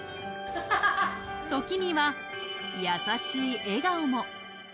時には優しい笑顔も。